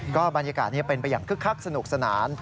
ก็บรรยากาศนี้เป็นไปอย่างคึกคักสนุกสนาน